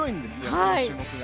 この種目が。